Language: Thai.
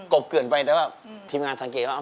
บเกินไปแต่ว่าทีมงานสังเกตว่า